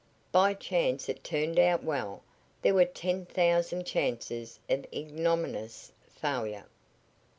By chance it turned out well; there were ten thousand chances of ignominious failure.